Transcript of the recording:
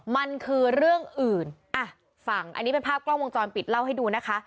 มันคือเรื่องอื่นอ่ะฟังอันนี้เป็นภาพกล้องวงจรปิดเล่าให้ดูนะคะ